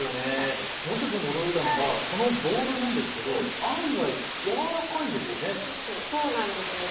もう１つ驚いたのはこのボールなんですけれど案外柔らかいんですよね。